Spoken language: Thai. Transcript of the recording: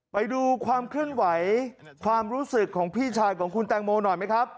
ไปดูความเคลื่อนไหวความรู้สึกของพี่ชายของคุณแตงโมหน่อยไหมครับ